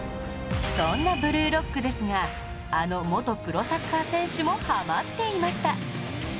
そんな『ブルーロック』ですがあの元プロサッカー選手もハマっていました！